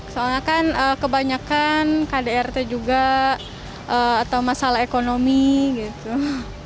soalnya kan kebanyakan kdrt juga atau masalah ekonomi gitu